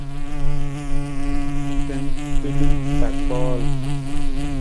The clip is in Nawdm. Kpinggbelang ta kpool.